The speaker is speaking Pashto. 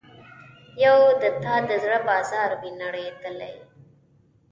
یو د تا د زړه بازار وي نړیدلی